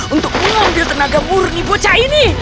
untuk mengambil tenaga murni bocah ini